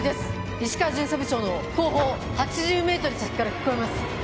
石川巡査部長の後方８０ｍ先から聞こえます。